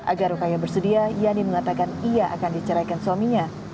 agar rokaya bersedia yani mengatakan ia akan diceraikan suaminya